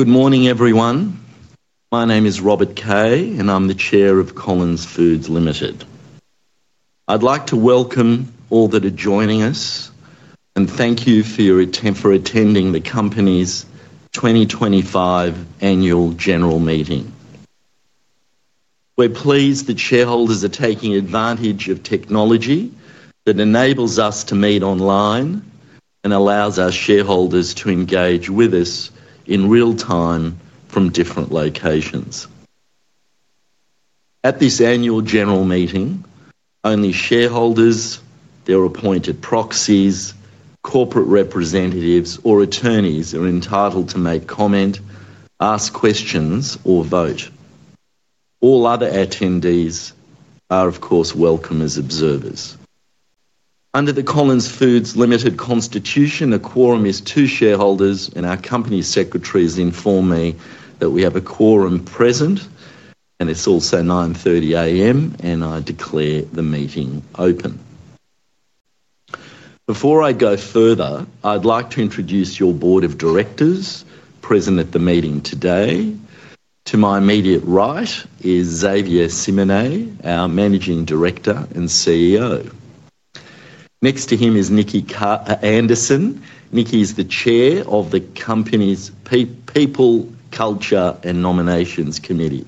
Good morning, everyone. My name is Robert Kaye, and I'm the Chair of Collins Foods Limited. I'd like to welcome all that are joining us and thank you for attending the company's 2025 Annual General Meeting. We're pleased the shareholders are taking advantage of technology that enables us to meet online and allows our shareholders to engage with us in real time from different locations. At this Annual General Meeting, only shareholders, their appointed proxies, corporate representatives, or attorneys are entitled to make comment, ask questions, or vote. All other attendees are, of course, welcome as observers. Under the Collins Foods Limited Constitution, a quorum is two shareholders, and our company secretaries inform me that we have a quorum present, and it's also 9:30 A.M., and I declare the meeting open. Before I go further, I'd like to introduce your Board of Directors present at the meeting today. To my immediate right is Xavier Simonet, our Managing Director and CEO. Next to him is Nicki Anderson. Nicki is the Chair of the company's People, Culture, and Nominations Committee.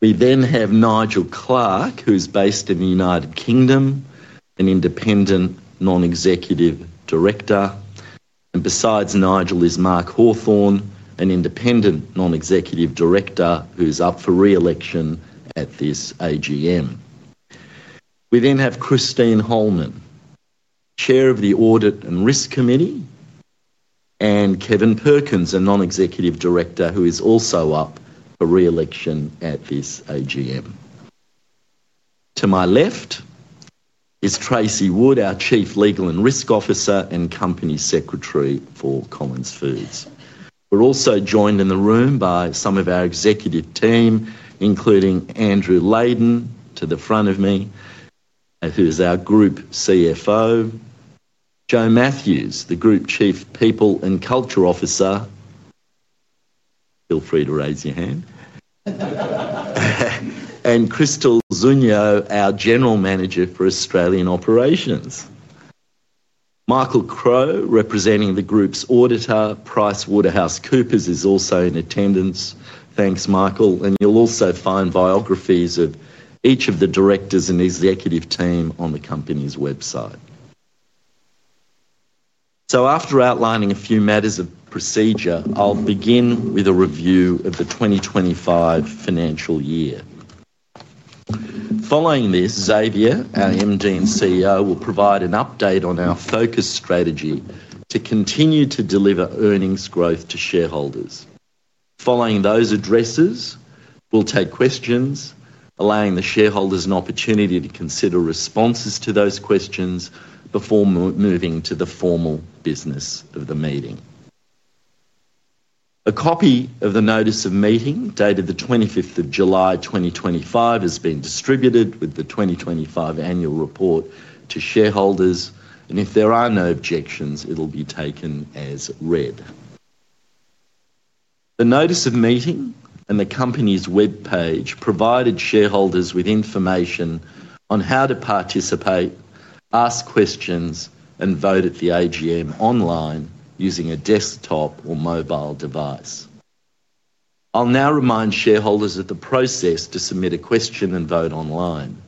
We then have Nigel Clark, who's based in the United Kingdom, an independent non-executive director, and besides Nigel is Mark Hawthorne, an independent non-executive director who's up for re-election at this AGM. We then have Christine Holman, Chair of the Audit and Risk Committee, and Kevin Perkins, a non-executive director who is also up for re-election at this AGM. To my left is Tracey Wood, our Chief Legal and Risk Officer and Company Secretary for Collins Foods. We're also joined in the room by some of our executive team, including Andrew Leyden to the front of me, who is our Group CFO, Joanne Matthews, the Group Chief People and Culture Officer. Feel free to raise your hand. And Krystal Zugno, our General Manager for Australian Operations. Michael Crowe, representing the Group's Auditor, PricewaterhouseCoopers, is also in attendance. Thanks, Michael. You'll also find biographies of each of the directors and executive team on the company's website. After outlining a few matters of procedure, I'll begin with a review of the 2025 financial year. Following this, Xavier, our MD and CEO, will provide an update on our focus strategy to continue to deliver earnings growth to shareholders. Following those addresses, we'll take questions, allowing the shareholders an opportunity to consider responses to those questions before moving to the formal business of the meeting. A copy of the Notice of Meeting dated the 25th of July, 2025, has been distributed with the 2025 Annual Report to shareholders, and if there are no objections, it'll be taken as read. The Notice of Meeting and the company's web page provided shareholders with information on how to participate, ask questions, and vote at the AGM online using a desktop or mobile device. I'll now remind shareholders of the process to submit a question and vote online.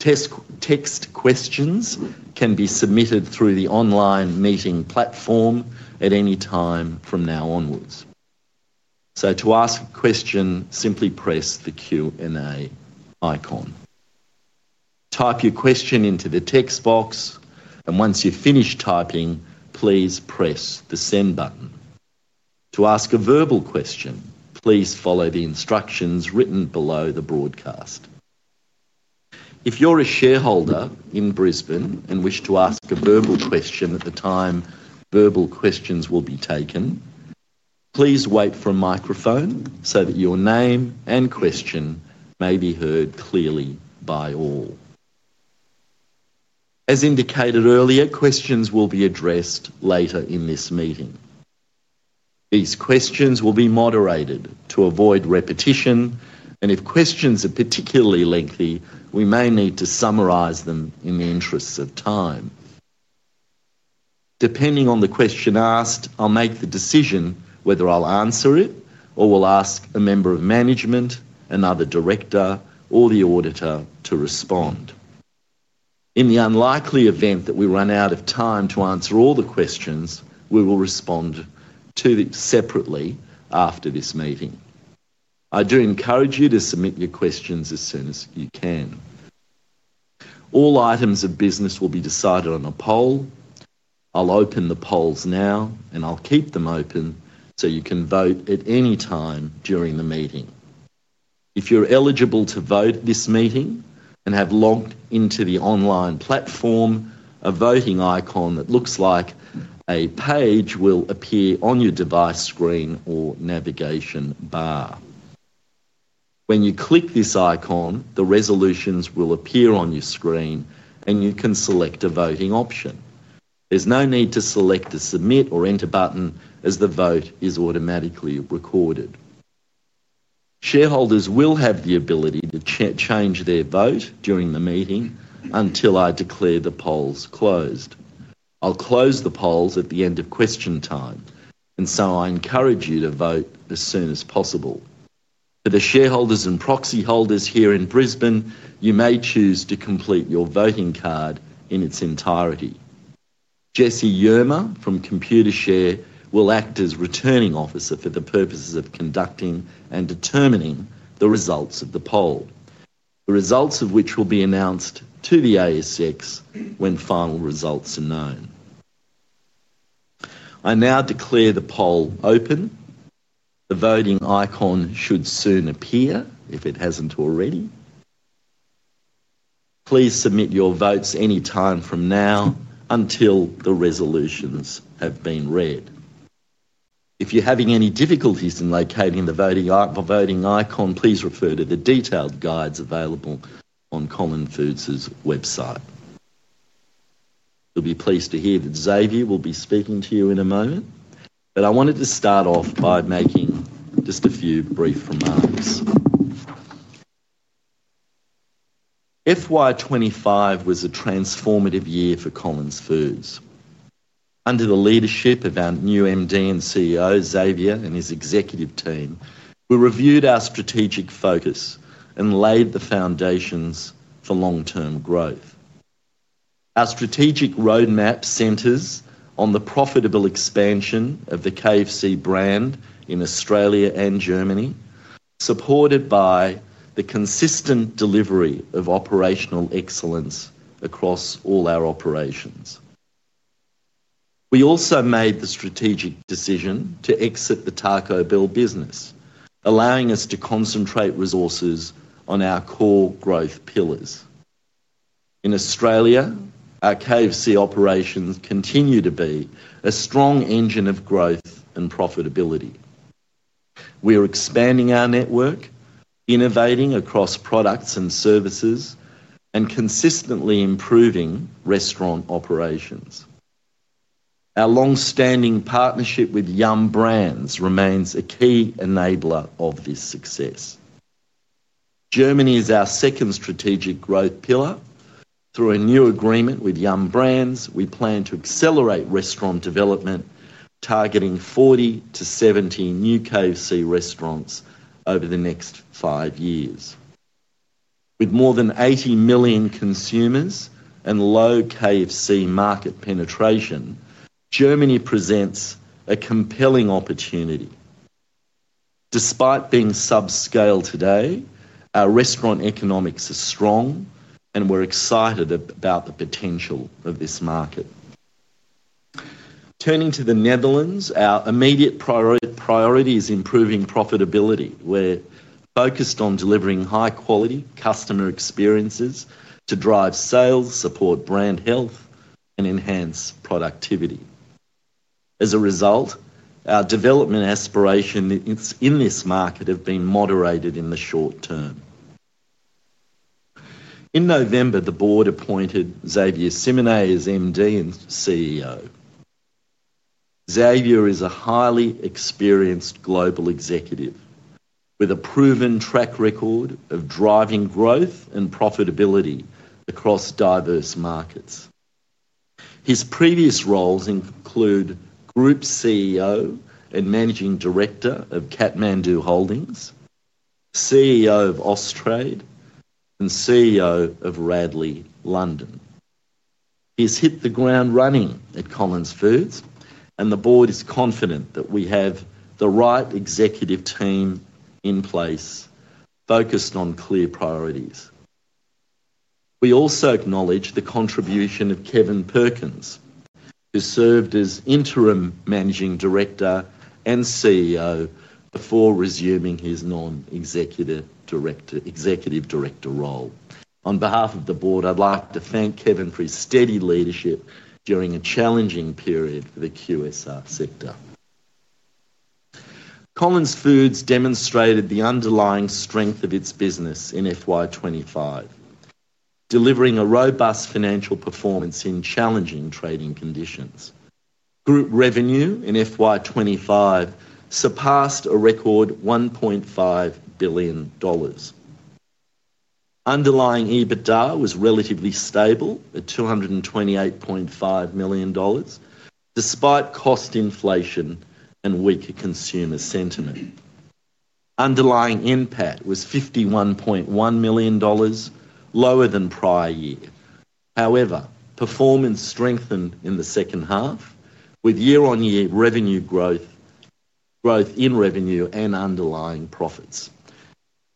Text questions can be submitted through the online meeting platform at any time from now onwards. To ask a question, simply press the Q&A icon. Type your question into the text box, and once you've finished typing, please press the Send button. To ask a verbal question, please follow the instructions written below the broadcast. If you're a shareholder in Brisbane and wish to ask a verbal question at the time verbal questions will be taken, please wait for a microphone so that your name and question may be heard clearly by all. As indicated earlier, questions will be addressed later in this meeting. These questions will be moderated to avoid repetition, and if questions are particularly lengthy, we may need to summarize them in the interests of time. Depending on the question asked, I'll make the decision whether I'll answer it or will ask a member of management, another director, or the auditor to respond. In the unlikely event that we run out of time to answer all the questions, we will respond to them separately after this meeting. I do encourage you to submit your questions as soon as you can. All items of business will be decided on a poll. I'll open the polls now, and I'll keep them open so you can vote at any time during the meeting. If you're eligible to vote at this meeting and have logged into the online platform, a voting icon that looks like a page will appear on your device screen or navigation bar. When you click this icon, the resolutions will appear on your screen, and you can select a voting option. There's no need to select a submit or enter button, as the vote is automatically recorded. Shareholders will have the ability to change their vote during the meeting until I declare the polls closed. I'll close the polls at the end of question time, and I encourage you to vote as soon as possible. For the shareholders and proxy holders here in Brisbane, you may choose to complete your voting card in its entirety. Jessie Yerma from Computershare will act as Returning Officer for the purposes of conducting and determining the results of the poll, the results of which will be announced to the ASX when final results are known. I now declare the poll open. The voting icon should soon appear, if it hasn't already. Please submit your votes any time from now until the resolutions have been read. If you're having any difficulties in locating the voting icon, please refer to the detailed guides available on Collins Foods' website. You'll be pleased to hear that Xavier will be speaking to you in a moment, but I wanted to start off by making just a few brief reminders. FY25 was a transformative year for Collins Foods. Under the leadership of our new MD and CEO, Xavier, and his executive team, we reviewed our strategic focus and laid the foundations for long-term growth. Our strategic roadmap centers on the profitable expansion of the KFC brand in Australia and Germany, supported by the consistent delivery of operational excellence across all our operations. We also made the strategic decision to exit the Taco Bell business, allowing us to concentrate resources on our core growth pillars. In Australia, our KFC operations continue to be a strong engine of growth and profitability. We are expanding our network, innovating across products and services, and consistently improving restaurant operations. Our long-standing partnership with Yum! Brands remains a key enabler of this success. Germany is our second strategic growth pillar. Through a new agreement with Yum! Brands, we plan to accelerate restaurant development, targeting 40-70 new KFC restaurants over the next five years. With more than 80 million consumers and low KFC market penetration, Germany presents a compelling opportunity. Despite being sub-scale today, our restaurant economics are strong, and we're excited about the potential of this market. Turning to the Netherlands, our immediate priority is improving profitability. We're focused on delivering high-quality customer experiences to drive sales, support brand health, and enhance productivity. As a result, our development aspirations in this market have been moderated in the short term. In November, the Board appointed Xavier Simonet as MD and CEO. Xavier is a highly experienced global executive with a proven track record of driving growth and profitability across diverse markets. His previous roles include Group CEO and Managing Director of Kathmandu Holdings, CEO of Austrade, and CEO of Radley London. He's hit the ground running at Collins Foods, and the Board is confident that we have the right executive team in place, focused on clear priorities. We also acknowledge the contribution of Kevin Perkins, who served as Interim Managing Director and CEO before resuming his Non-Executive Director role. On behalf of the Board, I'd like to thank Kevin for his steady leadership during a challenging period for the QSR sector. Collins Foods demonstrated the underlying strength of its business in FY2025, delivering a robust financial performance in challenging trading conditions. Group revenue in FY2025 surpassed a record $1.5 billion. Underlying EBITDA was relatively stable at $228.5 million, despite cost inflation and weaker consumer sentiment. Underlying impact was $51.1 million, lower than prior year. However, performance strengthened in the second half, with year-on-year growth in revenue and underlying profits.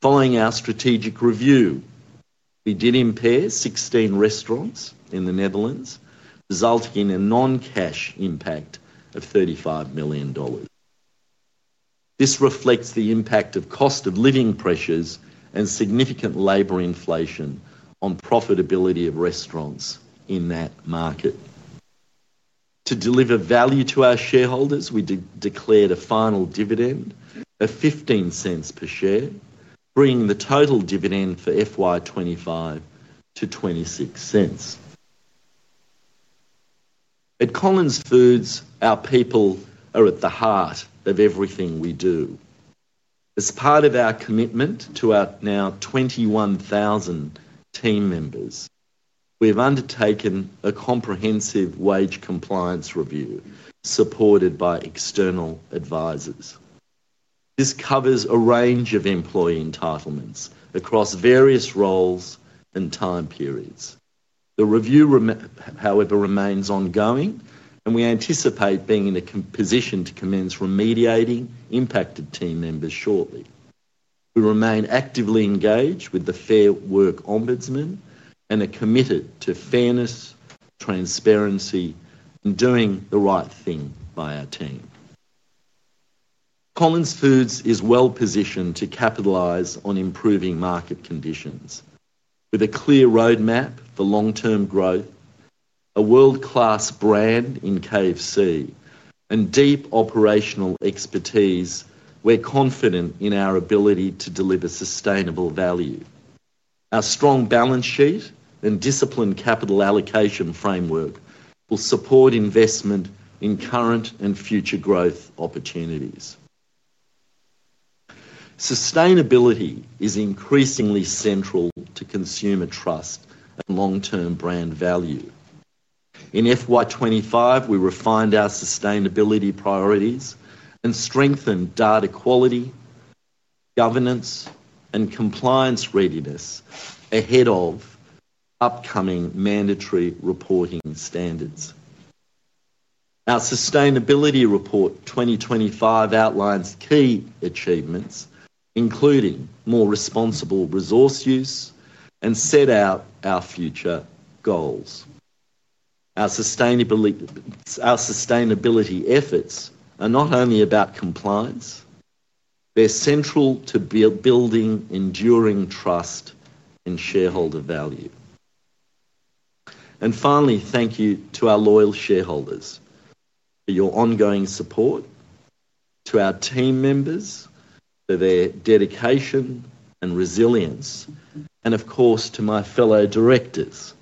Following our strategic review, we did impair 16 restaurants in the Netherlands, resulting in a non-cash impact of $35 million. This reflects the impact of cost of living pressures and significant labor inflation on profitability of restaurants in that market. To deliver value to our shareholders, we declared a final dividend of $0.15 per share, bringing the total dividend for FY2025 to $0.26. At Collins Foods, our people are at the heart of everything we do. As part of our commitment to our now 21,000 team members, we have undertaken a comprehensive wage compliance review supported by external advisors. This covers a range of employee entitlements across various roles and time periods. The review, however, remains ongoing, and we anticipate being in a position to commence remediating impacted team members shortly. We remain actively engaged with the Fair Work Ombudsman and are committed to fairness, transparency, and doing the right thing by our team. Collins Foods is well positioned to capitalize on improving market conditions. With a clear roadmap for long-term growth, a world-class brand in KFC, and deep operational expertise, we're confident in our ability to deliver sustainable value. Our strong balance sheet and disciplined capital allocation framework will support investment in current and future growth opportunities. Sustainability is increasingly central to consumer trust and long-term brand value. In FY25, we refined our sustainability priorities and strengthened data quality, governance, and compliance readiness ahead of upcoming mandatory reporting standards. Our Sustainability Report 2025 outlines key achievements, including more responsible resource use, and set out our future goals. Our sustainability efforts are not only about compliance, they're central to building enduring trust and shareholder value. Finally, thank you to our loyal shareholders for your ongoing support, to our team members for their dedication and resilience, and of course, to my fellow directors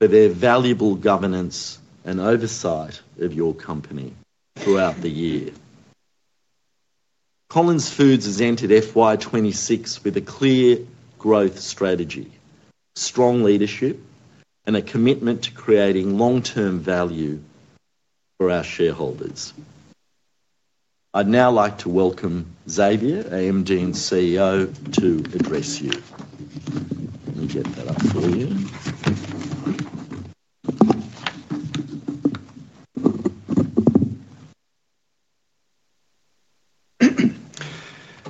for their valuable governance and oversight of your company throughout the year. Collins Foods has entered FY26 with a clear growth strategy, strong leadership, and a commitment to creating long-term value for our shareholders. I'd now like to welcome Xavier Simonet, our MD and CEO, to address you. Let me get that up for you.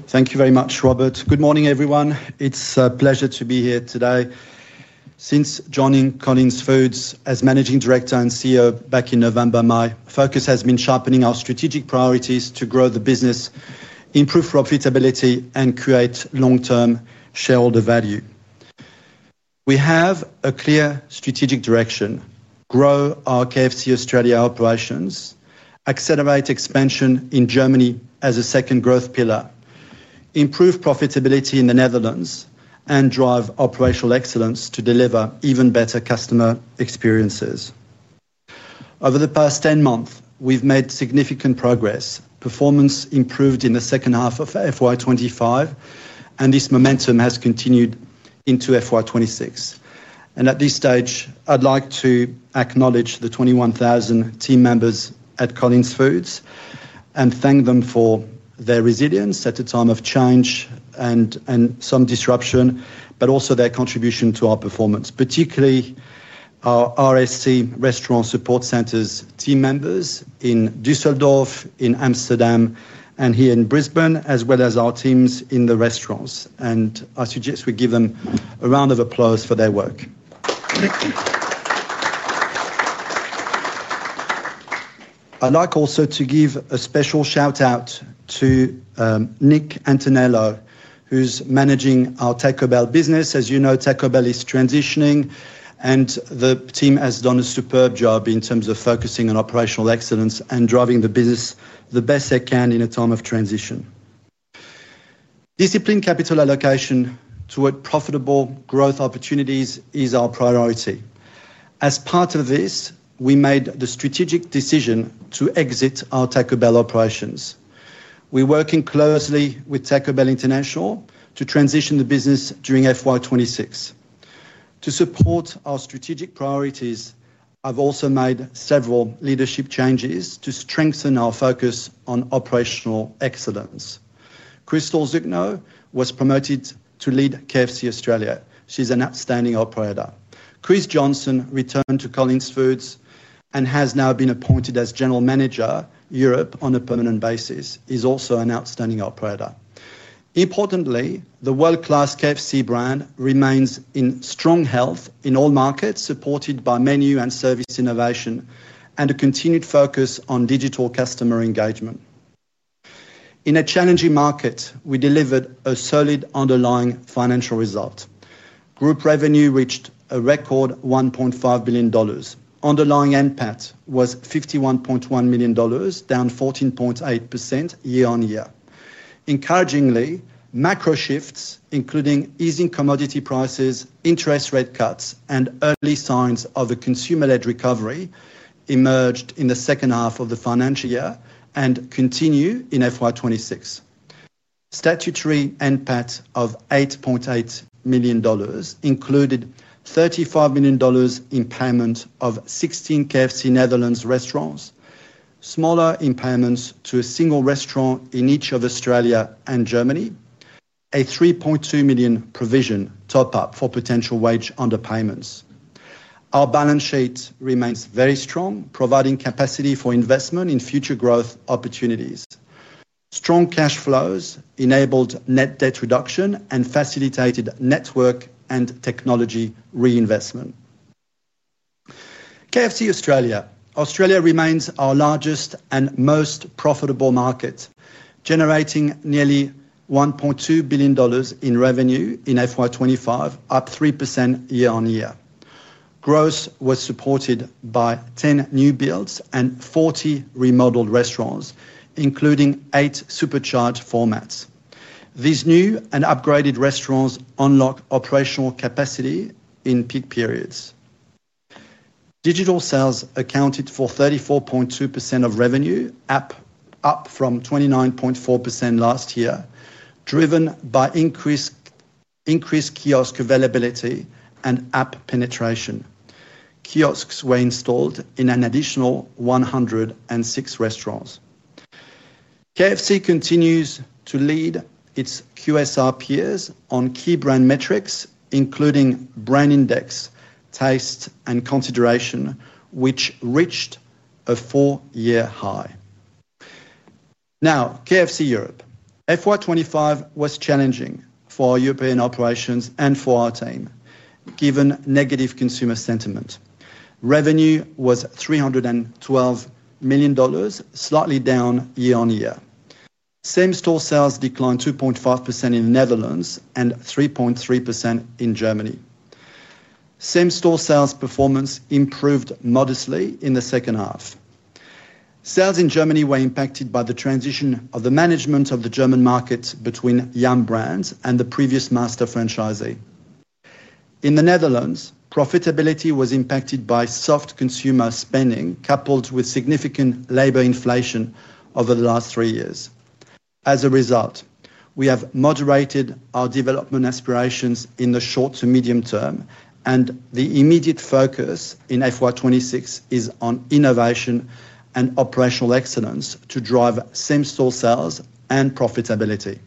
Thank you very much, Robert. Good morning, everyone. It's a pleasure to be here today. Since joining Collins Foods as Managing Director and CEO back in November, my focus has been sharpening our strategic priorities to grow the business, improve profitability, and create long-term shareholder value. We have a clear strategic direction: grow our KFC Australia operations, accelerate expansion in Germany as a second growth pillar, improve profitability in the Netherlands, and drive operational excellence to deliver even better customer experiences. Over the past 10 months, we've made significant progress. Performance improved in the second half of FY25 and this momentum has continued into FY26. At this stage, I'd like to acknowledge the 21,000 team members at Collins Foods and thank them for their resilience at a time of change and some disruption, but also their contribution to our performance, particularly our RSC Restaurant Support Centres team members in Düsseldorf, in Amsterdam, and here in Brisbane, as well as our teams in the restaurants. I suggest we give them a round of applause for their work. I'd like also to give a special shout out to Nick Antonello, who's managing our Taco Bell business. As you know, Taco Bell is transitioning and the team has done a superb job in terms of focusing on operational excellence and driving the business the best they can in a time of transition. Disciplined capital allocation toward profitable growth opportunities is our priority. As part of this, we made the strategic decision to exit our Taco Bell operations. We're working closely with Taco Bell International to transition the business during FY26. To support our strategic priorities, I've also made several leadership changes to strengthen our focus on operational excellence. Krystal Zugno was promoted to lead KFC Australia. She's an outstanding operator. Chris Johnson returned to Collins Foods and has now been appointed as General Manager Europe on a permanent basis. He's also an outstanding operator. Importantly, the world-class KFC brand remains in strong health in all markets, supported by menu and service innovation and a continued focus on digital customer engagement. In a challenging market, we delivered a solid underlying financial result. Group revenue reached a record $1.5 billion. Underlying impact was $51.1 million, down 14.8% year-on-year. Encouragingly, macro shifts, including easing commodity prices, interest rate cuts, and early signs of a consumer-led recovery, emerged in the second half of the financial year and continue in FY26. Statutory impact of $8.8 million included $35 million in payment of 16 KFC Netherlands restaurants, smaller in payments to a single restaurant in each of Australia and Germany, a $3.2 million provision top-up for potential wage underpayments. Our balance sheet remains very strong, providing capacity for investment in future growth opportunities. Strong cash flows enabled net debt reduction and facilitated network and technology reinvestment. KFC Australia. Australia remains our largest and most profitable market, generating nearly $1.2 billion in revenue in FY25, up 3% year-on-year. Growth was supported by 10 new builds and 40 remodeled restaurants, including eight supercharged formats. These new and upgraded restaurants unlock operational capacity in peak periods. Digital sales accounted for 34.2% of revenue, up from 29.4% last year, driven by increased kiosk availability and app penetration. Kiosks were installed in an additional 106 restaurants. KFC continues to lead its QSR peers on key brand metrics, including Brand Index, taste, and consideration, which reached a four-year high. Now, KFC Europe. FY25 was challenging for our European operations and for our team, given negative consumer sentiment. Revenue was $312 million, slightly down year-on-year. Same-store sales declined 2.5% in the Netherlands and 3.3% in Germany. Same-store sales performance improved modestly in the second half. Sales in Germany were impacted by the transition of the management of the German market between Yum! Brands and the previous master franchisee. In the Netherlands, profitability was impacted by soft consumer spending, coupled with significant labor inflation over the last three years. As a result, we have moderated our development aspirations in the short to medium term, and the immediate focus in FY26 is on innovation and operational excellence to drive same-store sales and profitability.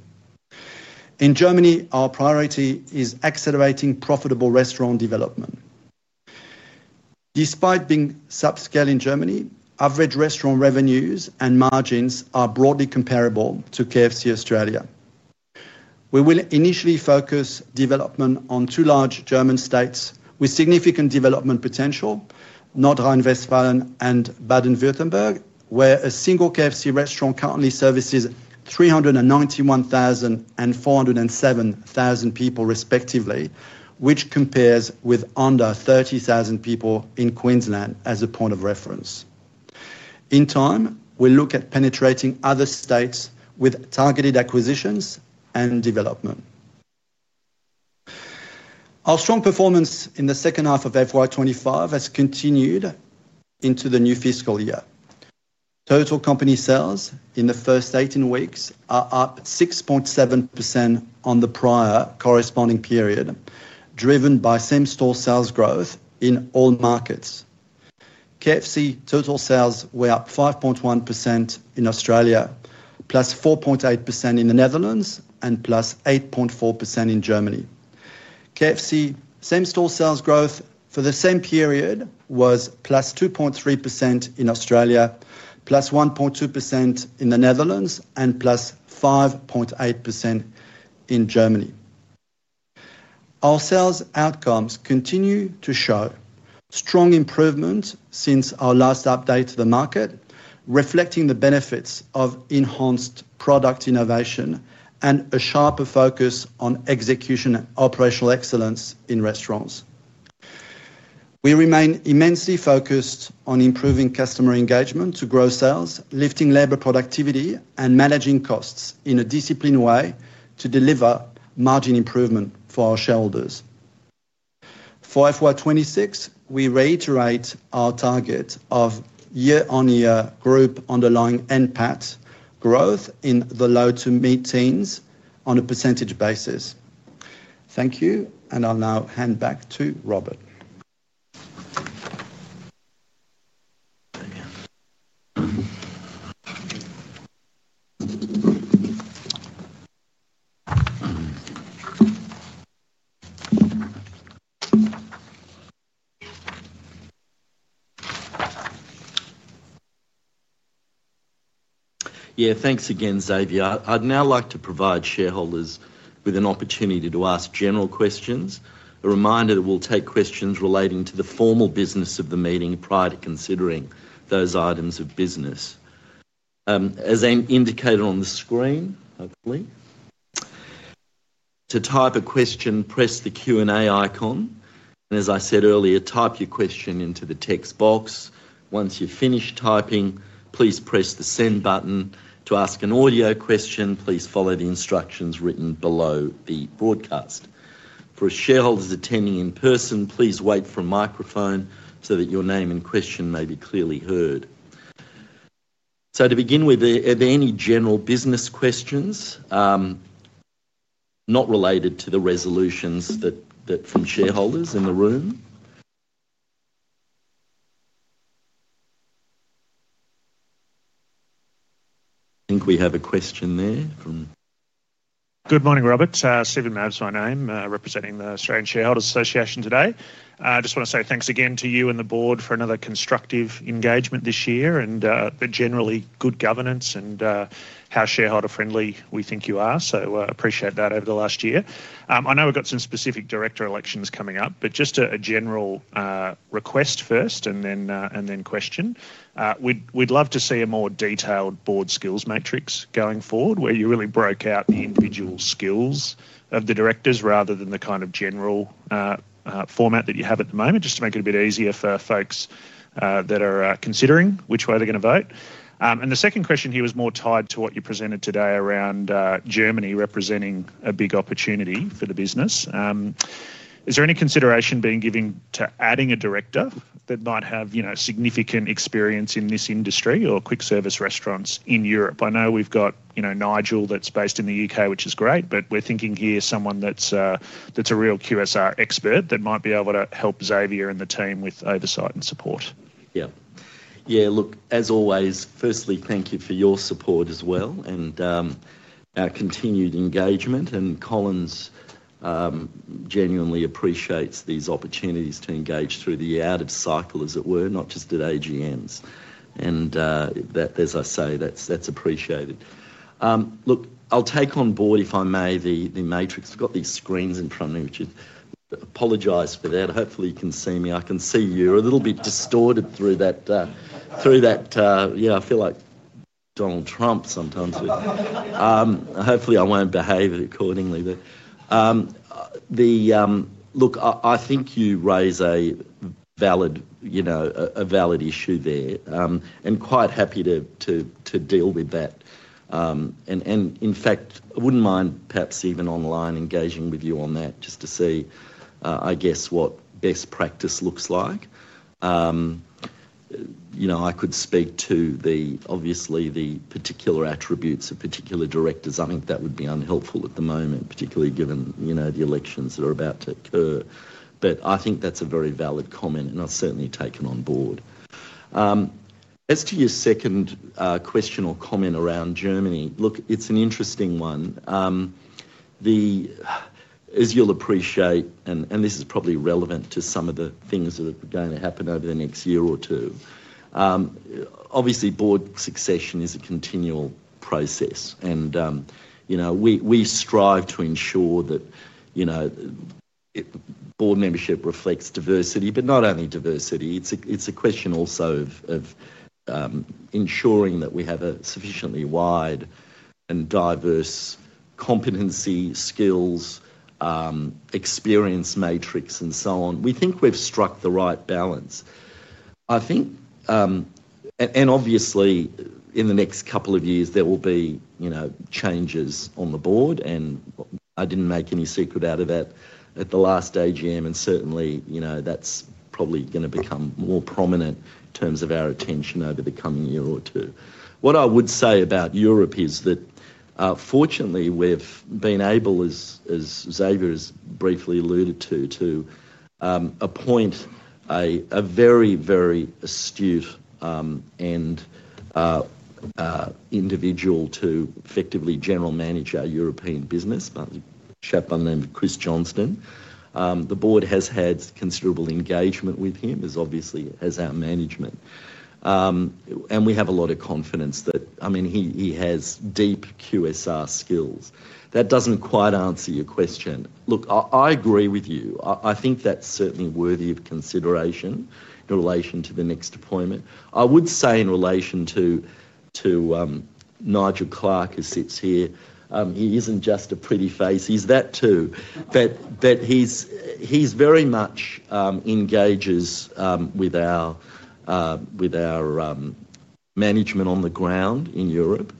In Germany, our priority is accelerating profitable restaurant development. Despite being sub-scale in Germany, average restaurant revenues and margins are broadly comparable to KFC Australia. We will initially focus development on two large German states with significant development potential: Nordrhein-Westfalen and Baden-Württemberg, where a single KFC restaurant currently services 391,000 and 407,000 people respectively, which compares with under 30,000 people in Queensland as a point of reference. In time, we'll look at penetrating other states with targeted acquisitions and development. Our strong performance in the second half of FY25 has continued into the new fiscal year. Total company sales in the first 18 weeks are up 6.7% on the prior corresponding period, driven by same-store sales growth in all markets. KFC total sales were up 5.1% in Australia, plus 4.8% in the Netherlands, and plus 8.4% in Germany. KFC same-store sales growth for the same period was plus 2.3% in Australia, plus 1.2% in the Netherlands, and plus 5.8% in Germany. Our sales outcomes continue to show strong improvements since our last update to the market, reflecting the benefits of enhanced product innovation and a sharper focus on execution and operational excellence in restaurants. We remain immensely focused on improving customer engagement to grow sales, lifting labor productivity, and managing costs in a disciplined way to deliver margin improvement for our shareholders. For FY26, we reiterate our target of year-on-year group underlying impact growth in the low to mid-teens on a % basis. Thank you, and I'll now hand back to Robert. Yeah, thanks again, Xavier. I'd now like to provide shareholders with an opportunity to ask general questions. A reminder that we'll take questions relating to the formal business of the meeting prior to considering those items of business. As indicated on the screen, hopefully, to type a question, press the Q&A icon, and as I said earlier, type your question into the text box. Once you've finished typing, please press the Send button. To ask an audio question, please follow the instructions written below the broadcast. For shareholders attending in person, please wait for a microphone so that your name and question may be clearly heard. To begin with, are there any general business questions not related to the resolutions from shareholders in the room? I think we have a question there from. Good morning, Robert. Stephen Maddison, I am representing the Australian Shareholders Association today. I just want to say thanks again to you and the Board for another constructive engagement this year and the generally good governance and how shareholder-friendly we think you are. I appreciate that over the last year. I know we've got some specific director elections coming up, but just a general request first and then question. We'd love to see a more detailed board skills matrix going forward where you really broke out the individual skills of the directors rather than the kind of general format that you have at the moment, just to make it a bit easier for folks that are considering which way they're going to vote. The second question here was more tied to what you presented today around Germany representing a big opportunity for the business. Is there any consideration being given to adding a director that might have significant experience in this industry or quick-service restaurants in Europe? I know we've got Nigel that's based in the UK, which is great, but we're thinking here someone that's a real QSR expert that might be able to help Xavier and the team with oversight and support. Yeah. Yeah, look, as always, firstly, thank you for your support as well and continued engagement. Collins genuinely appreciates these opportunities to engage through the out-of-cycle, as it were, not just at AGMs. As I say, that's appreciated. I'll take on board, if I may, the matrix. I've got these screens in front of me, which I apologize for that. Hopefully, you can see me. I can see you're a little bit distorted through that. Through that, yeah, I feel like Donald Trump sometimes. Hopefully, I won't behave accordingly. I think you raise a valid issue there. I'm quite happy to deal with that. In fact, I wouldn't mind perhaps even online engaging with you on that just to see, I guess, what best practice looks like. You know, I could speak to the, obviously, the particular attributes of particular directors. I think that would be unhelpful at the moment, particularly given, you know, the elections that are about to occur. I think that's a very valid comment, and I'll certainly take it on board. As to your second question or comment around Germany, it's an interesting one. As you'll appreciate, and this is probably relevant to some of the things that are going to happen over the next year or two, obviously, board succession is a continual process. You know, we strive to ensure that, you know, board membership reflects diversity, but not only diversity. It's a question also of ensuring that we have a sufficiently wide and diverse competency, skills, experience matrix, and so on. We think we've struck the right balance. I think, and obviously, in the next couple of years, there will be, you know, changes on the board, and I didn't make any secret out of that at the last AGM. Certainly, you know, that's probably going to become more prominent in terms of our attention over the coming year or two. What I would say about Europe is that, fortunately, we've been able, as Xavier Simonet has briefly alluded to, to appoint a very, very astute and individual to effectively general manage our European business, chap on them, Chris Johnson. The board has had considerable engagement with him, as obviously has our management. We have a lot of confidence that, I mean, he has deep QSR skills. That doesn't quite answer your question. I agree with you. I think that's certainly worthy of consideration in relation to the next appointment. I would say in relation to Nigel Clark, who sits here, he isn't just a pretty face. He’s that too. He very much engages with our management on the ground in Europe.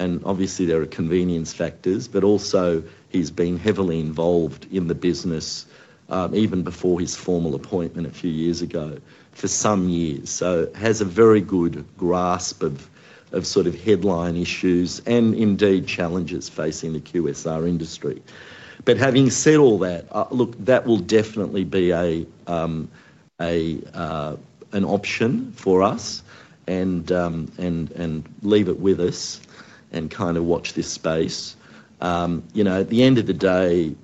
Obviously, there are convenience factors, but also he’s been heavily involved in the business even before his formal appointment a few years ago for some years. He has a very good grasp of sort of headline issues and indeed challenges facing the QSR industry. Having said all that, that will definitely be an option for us and leave it with us and kind of watch this space. At the end of the day,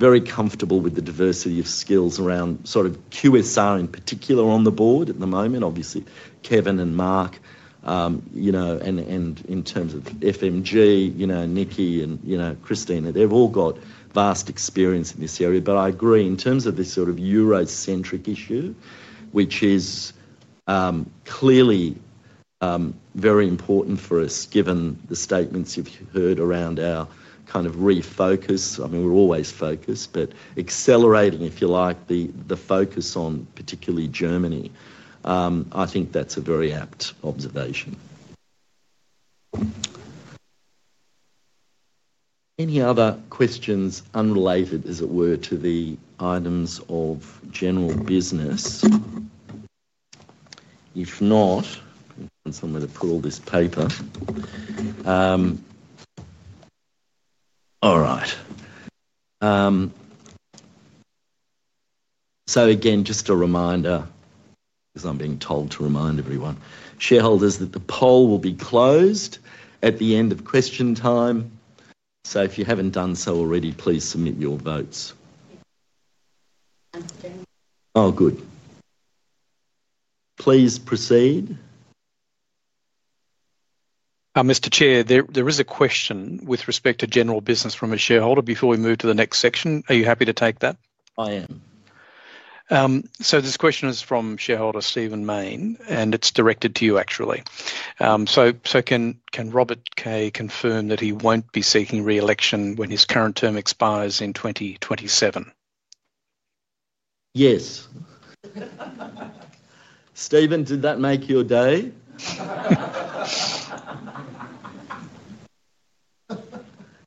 very comfortable with the diversity of skills around sort of QSR in particular on the board at the moment. Obviously, Kevin and Mark, and in terms of FMG, Nicki and Christine, they’ve all got vast experience in this area. I agree in terms of this sort of Eurocentric issue, which is clearly very important for us given the statements you’ve heard around our kind of refocus. I mean, we’re always focused, but accelerating, if you like, the focus on particularly Germany, I think that’s a very apt observation. Any other questions unrelated, as it were, to the items of general business? If not, I’m going to pull this paper. All right. Again, just a reminder, because I’m being told to remind everyone, shareholders, that the poll will be closed at the end of question time. If you haven’t done so already, please submit your votes. Oh, good. Please proceed. Mr. Chair, there is a question with respect to general business from a shareholder before we move to the next section. Are you happy to take that? I am. This question is from shareholder Stephen Main, and it's directed to you, actually. Can Robert Kaye SC confirm that he won't be seeking re-election when his current term expires in 2027? Yes. Stephen, did that make your day?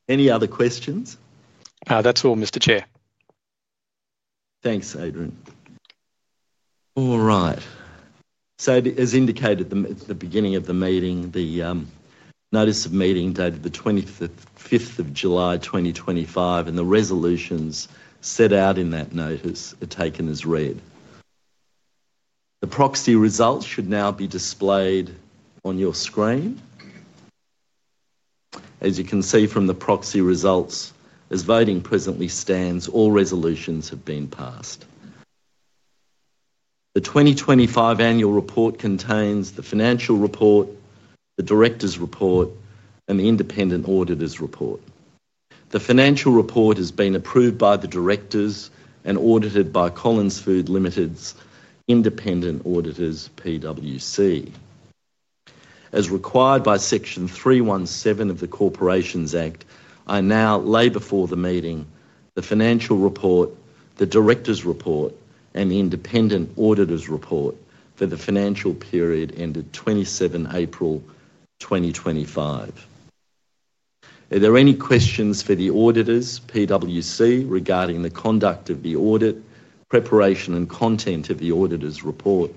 Any other questions? That's all, Mr. Chair. Thanks, Adrian. All right. As indicated at the beginning of the meeting, the Notice of Meeting dated the 25th of July, 2025, and the resolutions set out in that notice are taken as read. The proxy results should now be displayed on your screen. As you can see from the proxy results, as voting presently stands, all resolutions have been passed. The 2025 Annual Report contains the Financial Report, the Directors Report, and the Independent Auditors Report. The Financial Report has been approved by the Directors and audited by Collins Foods Limited's Independent Auditors, PWC. As required by Section 317 of the Corporations Act, I now lay before the meeting the Financial Report, the Directors Report, and the Independent Auditors Report for the financial period ended 27 April 2025. Are there any questions for the auditors, PWC, regarding the conduct of the audit, preparation and content of the auditor's report,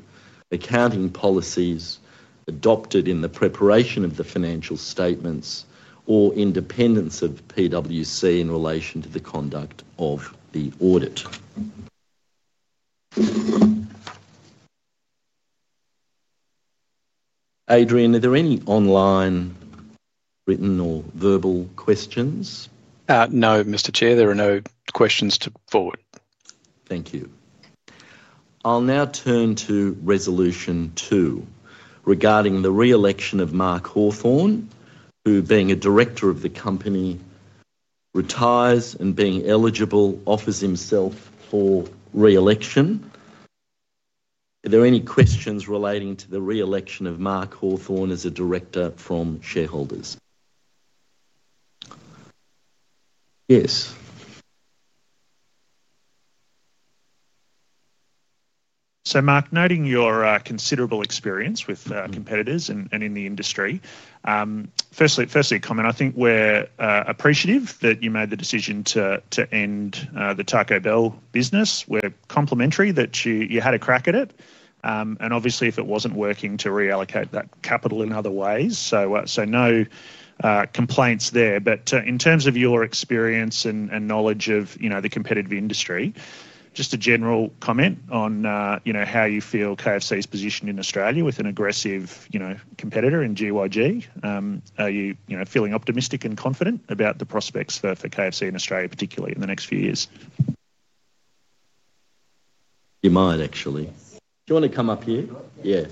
accounting policies adopted in the preparation of the financial statements, or independence of PWC in relation to the conduct of the audit? Adrian, are there any online written or verbal questions? No, Mr. Chair, there are no questions forward. Thank you. I'll now turn to Resolution 2 regarding the re-election of Mark Hawthorne, who, being a Director of the company, retires and, being eligible, offers himself for re-election. Are there any questions relating to the re-election of Mark Hawthorne as a Director from shareholders? Yes. Mark, noting your considerable experience with competitors and in the industry, firstly, a comment. I think we're appreciative that you made the decision to end the Taco Bell business. We're complimentary that you had a crack at it. Obviously, if it wasn't working to reallocate that capital in other ways, no complaints there. In terms of your experience and knowledge of the competitive industry, just a general comment on how you feel KFC is positioned in Australia with an aggressive competitor in GYG. Are you feeling optimistic and confident about the prospects for KFC in Australia, particularly in the next few years? You might, actually. Do you want to come up here? Yeah.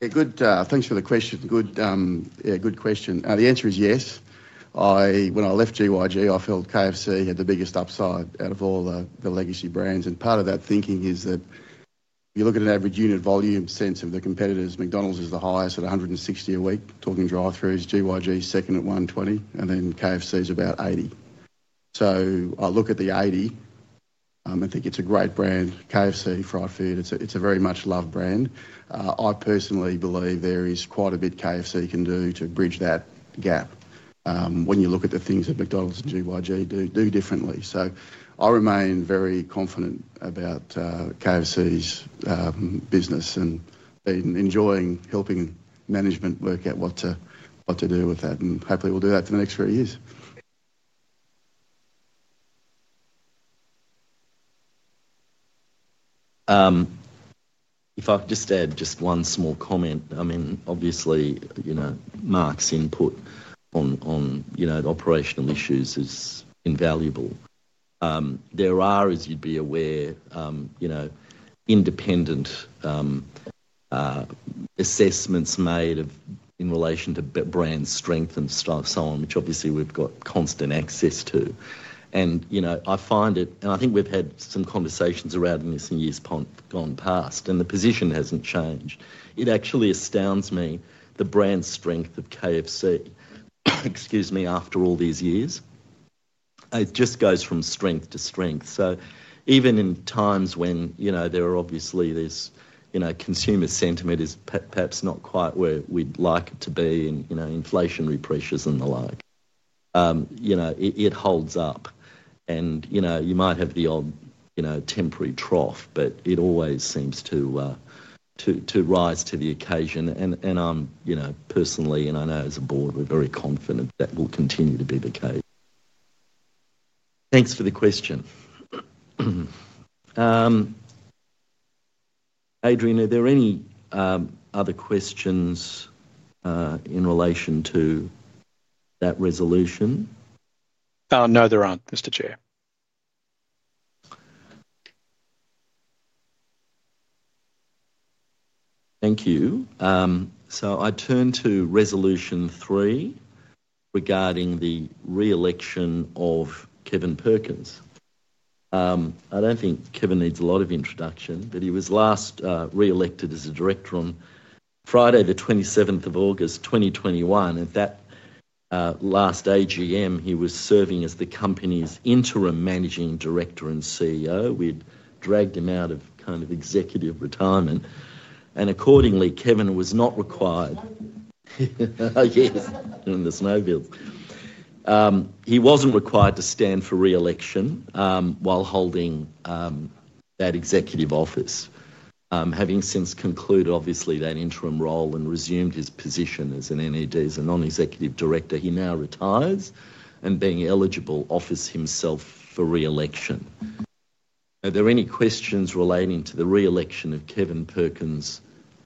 Thanks for the question. The answer is yes. When I left GYG, I felt KFC had the biggest upside out of all the legacy brands. Part of that thinking is that you look at an average unit volume sense of the competitors. McDonald's is the highest at $160,000 a week, talking drive-throughs. GYG is second at $120,000, and then KFC is about $80,000. I look at the $80,000. I think it's a great brand. KFC, fried food, it's a very much loved brand. I personally believe there is quite a bit KFC can do to bridge that gap when you look at the things that McDonald's and GYG do differently. I remain very confident about KFC's business and enjoy helping management work out what to do with that. Hopefully, we'll do that for the next three years. If I could just add one small comment. Obviously, Mark's input on the operational issues is invaluable. There are, as you'd be aware, independent assessments made in relation to brand strength and so on, which we've got constant access to. I find it, and I think we've had some conversations around this in years gone past, and the position hasn't changed. It actually astounds me, the brand strength of KFC. Excuse me, after all these years, it just goes from strength to strength. Even in times when there are obviously, you know, consumer sentiment is perhaps not quite where we'd like it to be in inflationary pressures and the like, it holds up. You might have the odd temporary trough, but it always seems to rise to the occasion. I'm personally, and I know as a board, we're very confident that will continue to be the case. Thanks for the question. Adrian, are there any other questions in relation to that resolution? No, there aren't, Mr. Chair. Thank you. I turn to Resolution 3 regarding the re-election of Kevin Perkins. I don't think Kevin needs a lot of introduction, but he was last re-elected as a director on Friday, the 27th of August, 2021. At that last AGM, he was serving as the company's Interim Managing Director and CEO. We'd dragged him out of executive retirement. Accordingly, Kevin was not required during the snow build. He wasn't required to stand for re-election while holding that executive office. Having since concluded, obviously, that interim role and resumed his position as an NED, as a Non-Executive Director, he now retires and, being eligible, offers himself for re-election. Are there any questions relating to the re-election of Kevin Perkins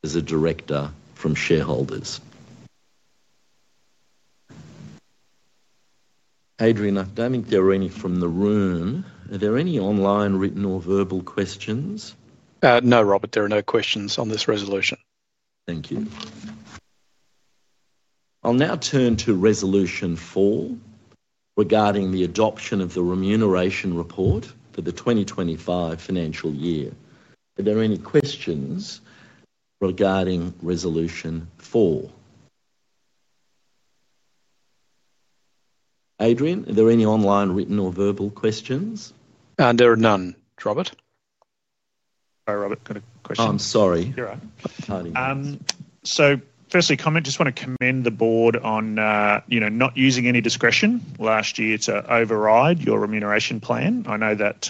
as a director from shareholders? Adrian, I don't think there are any from the room. Are there any online written or verbal questions? No, Robert, there are no questions on this resolution. Thank you. I'll now turn to Resolution 4 regarding the adoption of the remuneration report for the 2025 financial year. Are there any questions regarding Resolution 4? Adrian, are there any online written or verbal questions? There are none, Robert. Sorry, Robert, got a question. I'm sorry. You're all right. Firstly, just want to commend the Board on not using any discretion last year to override your remuneration plan. I know that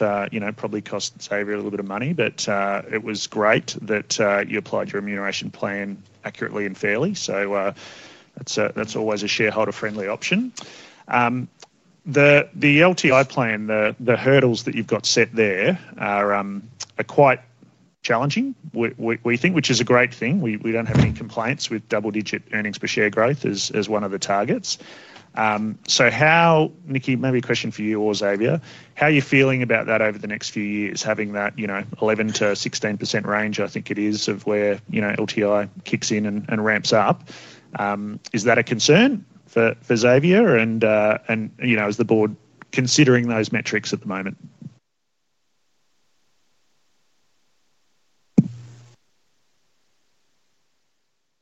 probably cost Xavier a little bit of money, but it was great that you applied your remuneration plan accurately and fairly. That's always a shareholder-friendly option. The LTI plan, the hurdles that you've got set there are quite challenging, we think, which is a great thing. We don't have any complaints with double-digit earnings per share growth as one of the targets. How, Nicki, maybe a question for you or Xavier, how are you feeling about that over the next few years, having that 11% to 16% range, I think it is, of where LTI kicks in and ramps up? Is that a concern for Xavier? Is the Board considering those metrics at the moment?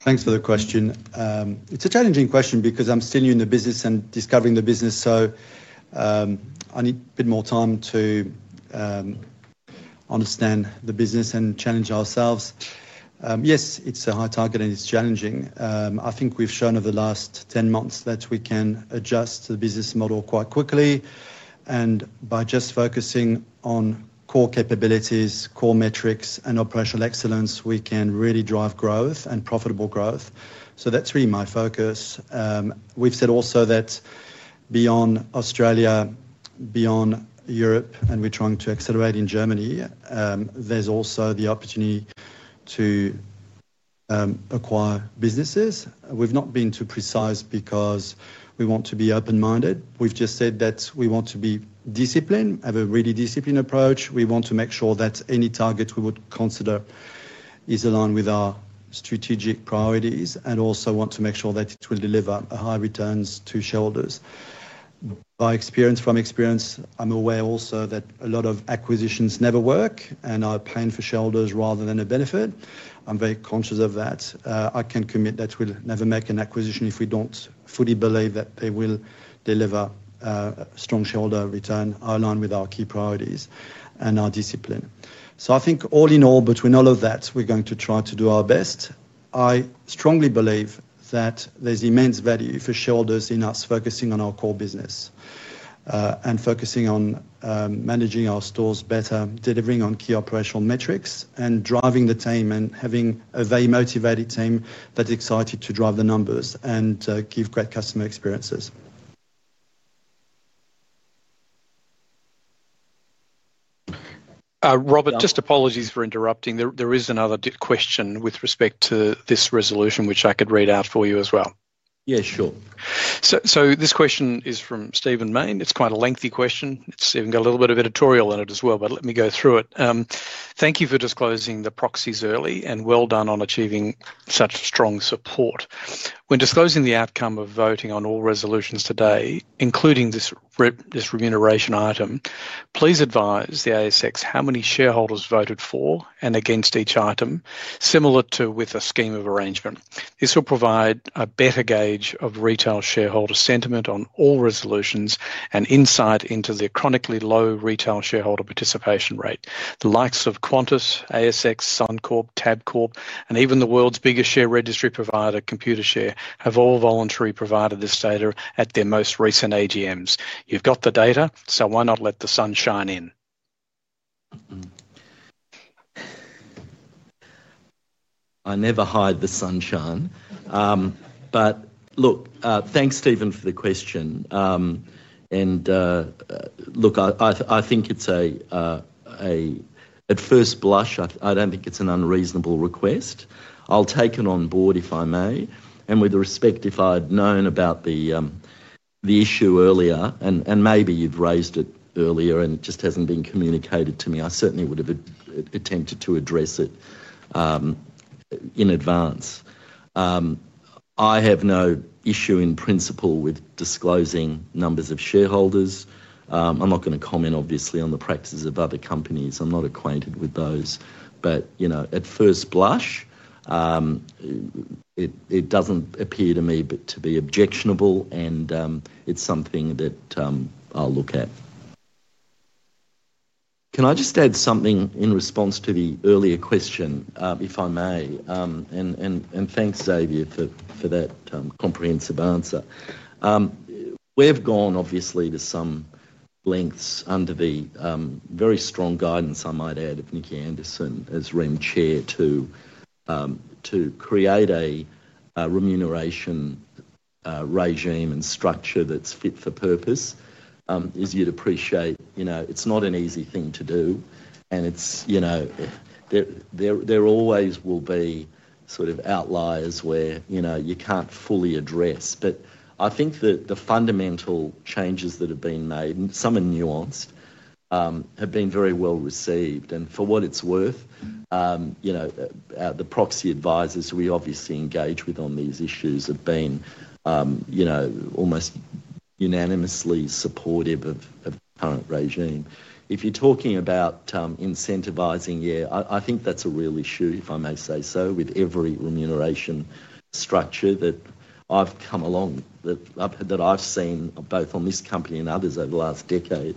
Thanks for the question. It's a challenging question because I'm still new in the business and discovering the business. I need a bit more time to understand the business and challenge ourselves. Yes, it's a high target and it's challenging. I think we've shown over the last 10 months that we can adjust the business model quite quickly. By just focusing on core capabilities, core metrics, and operational excellence, we can really drive growth and profitable growth. That's really my focus. We've said also that beyond Australia, beyond Europe, and we're trying to accelerate in Germany, there's also the opportunity to acquire businesses. We've not been too precise because we want to be open-minded. We've just said that we want to be disciplined, have a really disciplined approach. We want to make sure that any targets we would consider are aligned with our strategic priorities and also want to make sure that it will deliver high returns to shareholders. From experience, I'm aware also that a lot of acquisitions never work and are a pain for shareholders rather than a benefit. I'm very conscious of that. I can commit that we'll never make an acquisition if we don't fully believe that they will deliver a strong shareholder return aligned with our key priorities and our discipline. I think all in all, between all of that, we're going to try to do our best. I strongly believe that there's immense value for shareholders in us focusing on our core business and focusing on managing our stores better, delivering on key operational metrics, and driving the team and having a very motivated team that's excited to drive the numbers and give great customer experiences. Robert, just apologies for interrupting. There is another question with respect to this resolution, which I could read out for you as well. Yeah, sure. This question is from Stephen Main. It's quite a lengthy question. Stephen got a little bit of editorial in it as well, but let me go through it. Thank you for disclosing the proxies early and well done on achieving such strong support. When disclosing the outcome of voting on all resolutions today, including this remuneration item, please advise the ASX how many shareholders voted for and against each item, similar to with a scheme of arrangement. This will provide a better gauge of retail shareholder sentiment on all resolutions and insight into their chronically low retail shareholder participation rate. The likes of Qantas, ASX, Suncorp, Tabcorp, and even the world's biggest share registry provider, Computershare, have all voluntarily provided this data at their most recent AGMs. You've got the data, so why not let the sunshine in? I never hide the sunshine. Thanks, Stephen, for the question. I think at first blush, I don't think it's an unreasonable request. I'll take it on board if I may. With respect, if I'd known about the issue earlier, and maybe you've raised it earlier and it just hasn't been communicated to me, I certainly would have attempted to address it in advance. I have no issue in principle with disclosing numbers of shareholders. I'm not going to comment, obviously, on the practices of other companies. I'm not acquainted with those. At first blush, it doesn't appear to me to be objectionable, and it's something that I'll look at. Can I just add something in response to the earlier question, if I may? Thanks, Xavier, for that comprehensive answer. We've gone to some lengths under the very strong guidance, I might add, of Nicki Anderson as Remuneration Chair, to create a remuneration regime and structure that's fit for purpose. As you'd appreciate, it's not an easy thing to do. There always will be sort of outliers where you can't fully address. I think that the fundamental changes that have been made, and some are nuanced, have been very well received. For what it's worth, the proxy advisors we obviously engage with on these issues have been almost unanimously supportive of the current regime. If you're talking about incentivizing, I think that's a real issue, if I may say so, with every remuneration structure that I've seen both on this company and others over the last decade.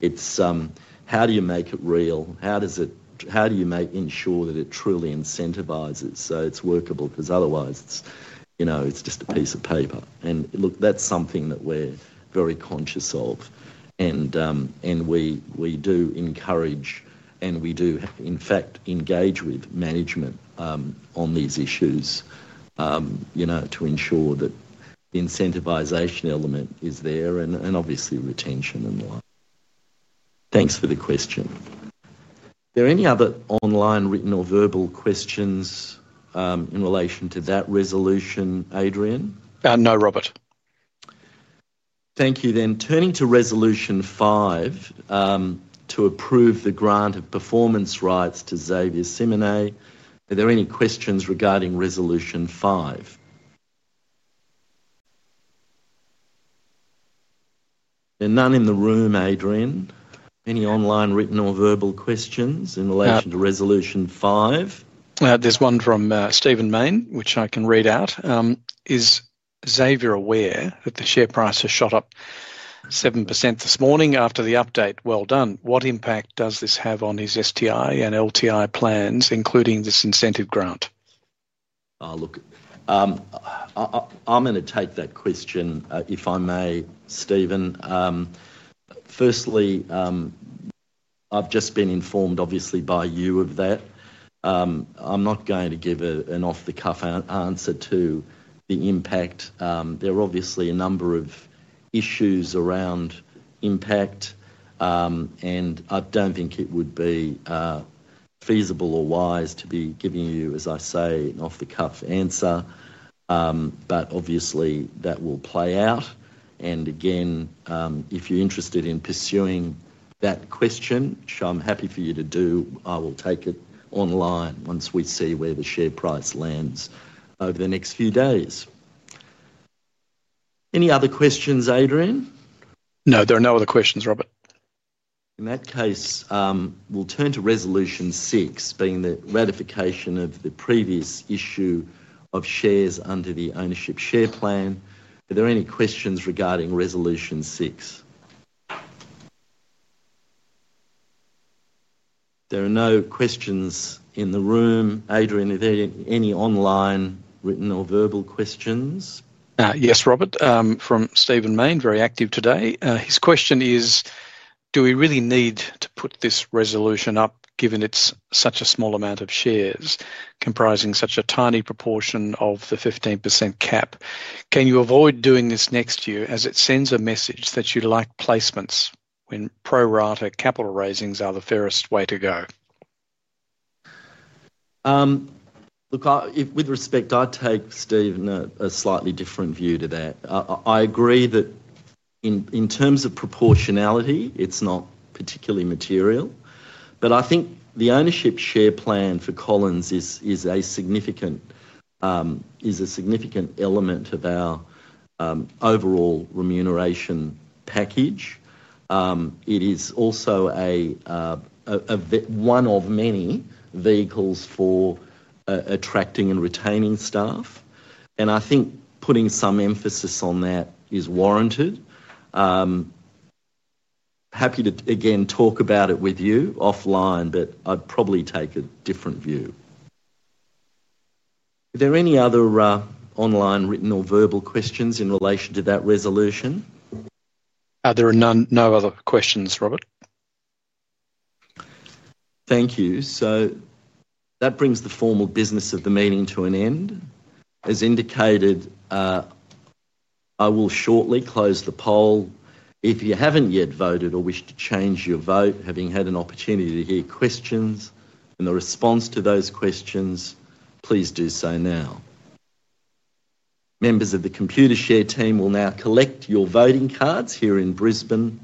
It's how do you make it real? How do you ensure that it truly incentivizes so it's workable? Because otherwise, it's just a piece of paper. That's something that we're very conscious of. We do encourage, and we do, in fact, engage with management on these issues to ensure that the incentivization element is there and obviously retention and the like. Thanks for the question. Are there any other online written or verbal questions in relation to that resolution, Adrian? No, Robert. Thank you. Turning to Resolution 5 to approve the grant of performance rights to Xavier Simonet, are there any questions regarding Resolution 5? There are none in the room, Adrian. Any online written or verbal questions in relation to Resolution 5? There's one from Stephen Main, which I can read out. Is Xavier aware that the share price has shot up 7% this morning after the update? Well done. What impact does this have on his STI and LTI plans, including this incentive grant? Oh, look, I'm going to take that question, if I may, Stephen. Firstly, I've just been informed, obviously, by you of that. I'm not going to give an off-the-cuff answer to the impact. There are obviously a number of issues around impact, and I don't think it would be feasible or wise to be giving you, as I say, an off-the-cuff answer. Obviously, that will play out. If you're interested in pursuing that question, I'm happy for you to do. I will take it online once we see where the share price lands over the next few days. Any other questions, Adrian? No, there are no other questions, Robert. In that case, we'll turn to Resolution 6, being the ratification of the previous issue of shares under the Ownership Share Plan. Are there any questions regarding Resolution 6? There are no questions in the room. Adrian, are there any online written or verbal questions? Yes, Robert, from Stephen Main, very active today. His question is, do we really need to put this resolution up given it's such a small amount of shares comprising such a tiny proportion of the 15% cap? Can you avoid doing this next year as it sends a message that you like placements when pro-rata capital raisings are the fairest way to go? Look, with respect, I take, Stephen, a slightly different view to that. I agree that in terms of proportionality, it's not particularly material. I think the Ownership Share Plan for Collins is a significant element of our overall remuneration package. It is also one of many vehicles for attracting and retaining staff. I think putting some emphasis on that is warranted. Happy to again talk about it with you offline, but I'd probably take a different view. Are there any other online written or verbal questions in relation to that resolution? There are no other questions, Robert. Thank you. That brings the formal business of the meeting to an end. As indicated, I will shortly close the poll. If you haven't yet voted or wish to change your vote, having had an opportunity to hear questions and the response to those questions, please do so now. Members of the Computershare team will now collect your voting cards here in Brisbane,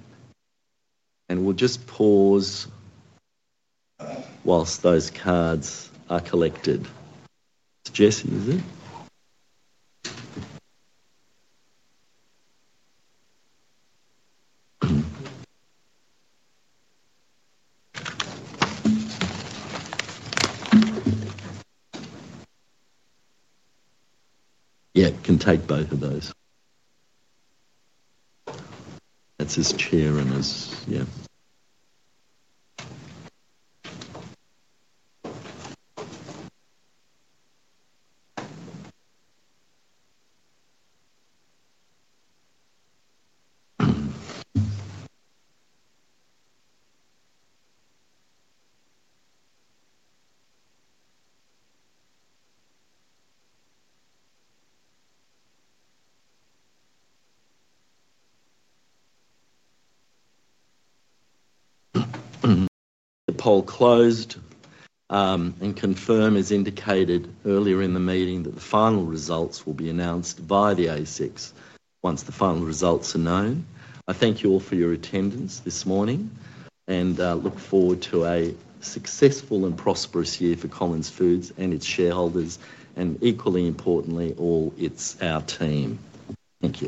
and we'll just pause while those cards are collected. Jessie, is it? Yeah, it can take both of those. That's as Chair and as, yeah. The poll closed and confirm, as indicated earlier in the meeting, that the final results will be announced by the ASX once the final results are known. I thank you all for your attendance this morning and look forward to a successful and prosperous year for Collins Foods and its shareholders, and equally importantly, all our team. Thank you.